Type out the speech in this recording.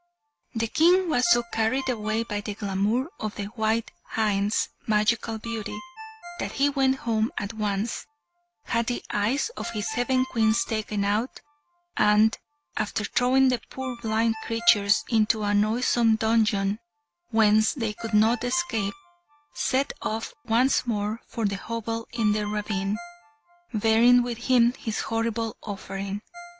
The King was so carried away by the glamour of the white hind's magical beauty, that he went home at once, had the eyes of his seven Queens taken out, and, after throwing the poor blind creatures into a noisome dungeon whence they could not escape, set off once more for the hovel in the ravine, bearing with him his horrible offering.